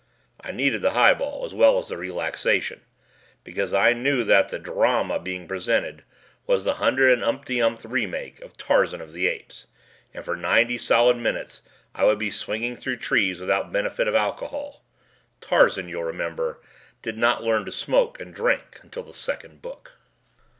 I needed the highball as well as the relaxation, because I knew that the "Drama" being presented was the hundred and umpty umpth remake of "Tarzan of the Apes" and for ninety solid minutes I would be swinging through trees without benefit of alcohol. Tarzan, you'll remember, did not learn to smoke and drink until the second book.